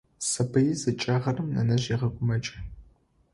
Сабыир зыкӏэгъырэм нэнэжъ егъэгумэкӏы.